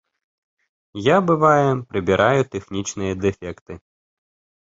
Я, бывае, прыбіраю тэхнічныя дэфекты.